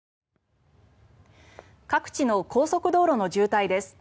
各地の高速道路の渋滞です。